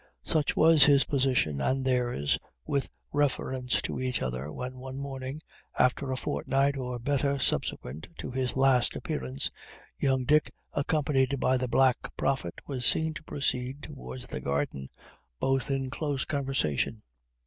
Such was his position and theirs, with reference to each other, when one morning, about a fortnight or better subsequent to his last appearance, young Dick, accompanied by the Black Prophet, was seen to proceed towards the garden both in close conversation.